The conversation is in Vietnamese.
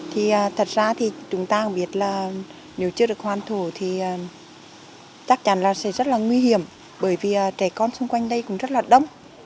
thì thật ra thì chúng ta biết là nếu chưa được hoàn thổ thì chắc chắn là sẽ rất là nguy hiểm bởi vì trẻ con xung quanh đây cũng rất là đông